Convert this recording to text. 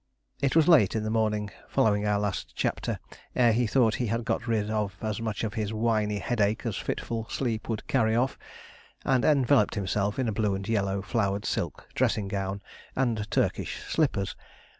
It was late on the morning following our last chapter ere he thought he had got rid of as much of his winey headache as fitful sleep would carry off, and enveloped himself in a blue and yellow flowered silk dressing gown and Turkish slippers.